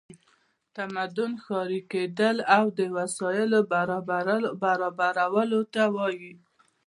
تمدن ښاري کیدل او د وسایلو برابرولو ته وایي.